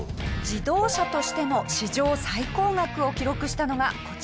自動車としての史上最高額を記録したのがこちらの車。